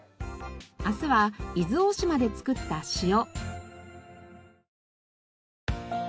明日は伊豆大島で作った塩。